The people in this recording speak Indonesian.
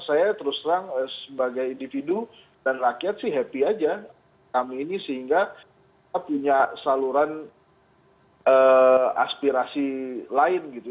saya terus terang sebagai individu dan rakyat sih happy aja kami ini sehingga punya saluran aspirasi lain gitu